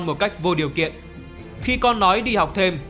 một cách vô điều kiện khi con nói đi học thêm